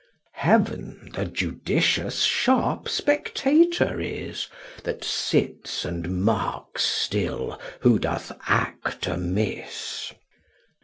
Heaven the judicious sharp spectator is, That sits and marks still who doth act amiss.